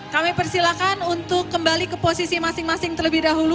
kami persilakan untuk kembali ke posisi masing masing terlebih dahulu